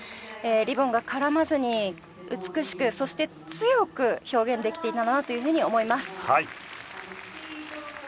リボンが絡まずに美しくそして強く表現できていたなというふうに思います。